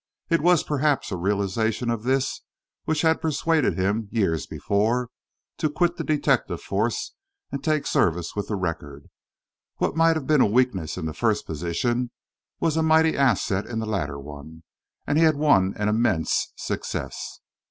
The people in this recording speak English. It was, perhaps, a realisation of this which had persuaded him, years before, to quit the detective force and take service with the Record. What might have been a weakness in the first position, was a mighty asset in the latter one, and he had won an immense success.